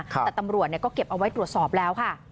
แต่ตำรวจก็เก็บเอาไว้ตรวจสอบแล้วค่ะ